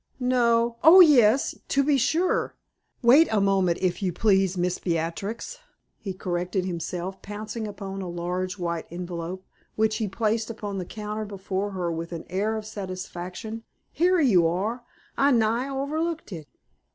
"No! Oh yes, to be sure! Wait a moment, if you please, Miss Beatrix," he corrected himself, pouncing upon a large white envelope, which he placed upon the counter before her with an air of satisfaction. "Here you are! I nigh overlooked it.